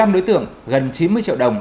một mươi năm đối tượng gần chín mươi triệu đồng